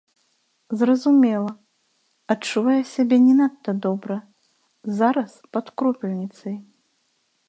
Зразумела, адчувае сябе не надта добра, зараз пад кропельніцай.